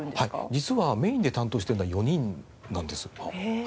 実はメインで担当しているのは４人なんです。